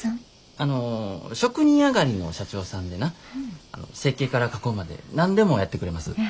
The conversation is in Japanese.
あの職人上がりの社長さんでな設計から加工まで何でもやってくれます。